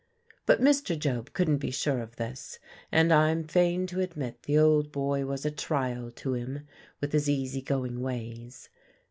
But Mr. Job couldn't be sure of this, and I'm fain to admit the old boy was a trial to him, with his easy going ways.